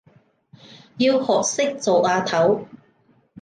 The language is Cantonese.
要學識做阿頭